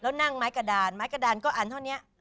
แล้วนั่งไม้กระดานไม้กระดานก็อันเท่านี้